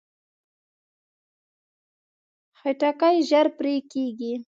خټکی ژر پرې کېږي.